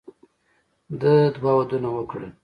ده دوه ودونه وکړل.